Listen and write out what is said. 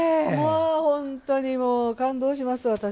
本当に感動します、私。